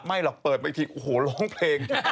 หรอกเปิดไปทีโอ้โหร้องเพลง